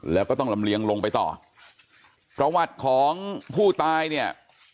แล้วก็ต้องลำเลียงลงไปต่อประวัติของผู้ตายเนี่ย